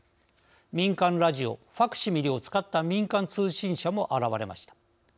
民間ラジオ、ファクシミリを使った民間通信社も現れました。